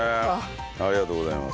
ありがとうございます。